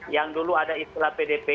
yang dulu ada istilah pdp